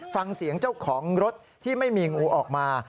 ฟังเสียงเจ้าของรถที่ไม่มีงูออกมา